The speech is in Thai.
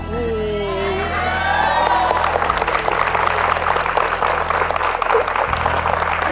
ได้ครับ